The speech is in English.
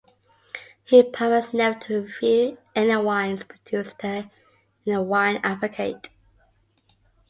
He promised never to review any wines produced there in "The Wine Advocate".